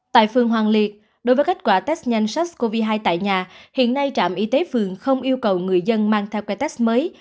tại phường hoàng liệt đối với kết quả test nhanh sars cov hai tại nhà hiện nay trạm y tế phường không yêu cầu người dân mang theo que test mới